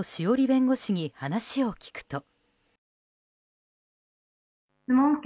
弁護士に話を聞くと。